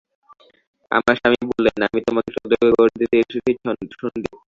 আমার স্বামী বললেন, আমি তোমাকে সতর্ক করে দিতে এসেছি সন্দীপ।